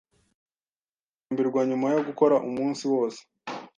Ugomba kurambirwa nyuma yo gukora umunsi wose.